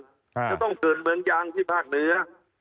จะต้องเกิดเมืองยางที่ภาคเหนือ